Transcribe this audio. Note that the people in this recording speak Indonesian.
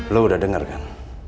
kamu udah dengar kan